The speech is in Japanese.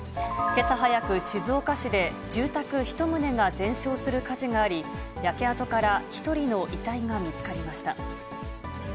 けさ早く、静岡市で住宅１棟が全焼する火事があり、焼け跡から１人の遺体が見つかりました。